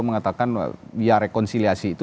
mengatakan ya rekonsiliasi itu